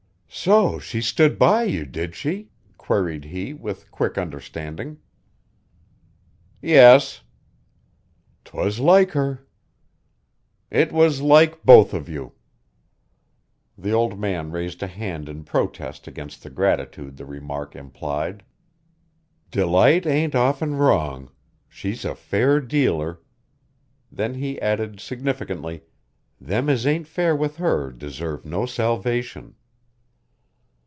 "So she stood by you, did she?" queried he with quick understanding. "Yes." "'Twas like her." "It was like both of you." The old man raised a hand in protest against the gratitude the remark implied. "Delight ain't often wrong; she's a fair dealer." Then he added significantly, "Them as ain't fair with her deserve no salvation."